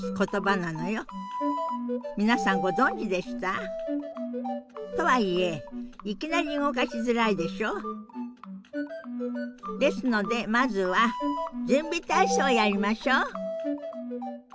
皆さんご存じでした？とはいえいきなり動かしづらいでしょ？ですのでまずは準備体操をやりましょう。